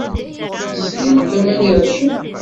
Tessnem Kamel Ircen?